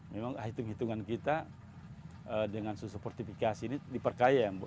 memang hitung hitungan kita dengan susu portifikasi ini diperkaya